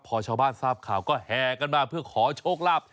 พอชาวบ้านทราบข่าวก็แห่กันมาเพื่อขอโชคลาภ